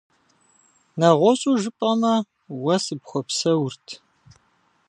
НэгъуэщӀу жыпӀэмэ, уэ сыпхуэпсэурт…